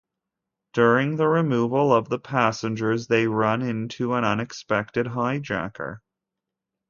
During the removal of the passengers, they run into an unexpected hijacker.